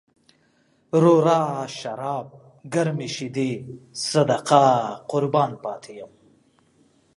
روا شراب، ګرمې شيدې، صدقه قربان پاتې يم